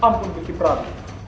ampun bukit pramu